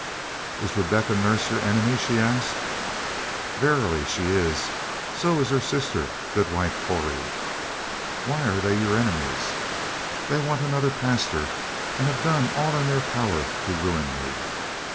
"Is Rebecca Nurse your enemy?" she asked. "Verily, she is; so is her sister Goodwife Corey." "Why are they your enemies?" "They want another pastor, and have done all in their power to ruin me."